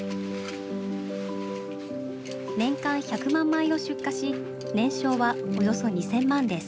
年間１００万枚を出荷し年商はおよそ２，０００万です。